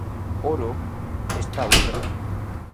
Oro ez da urre.